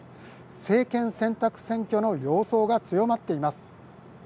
政権選択選挙の様相が強まっています。